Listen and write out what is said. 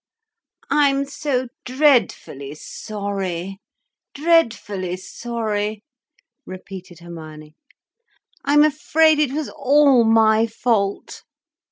"I'm so dreadfully sorry—dreadfully sorry," repeated Hermione. "I'm afraid it was all my fault."